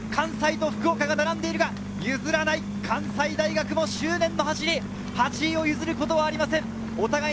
関西と福岡が並んでいる、譲らない、関西大学も執念の走り、８位を譲ることはありません。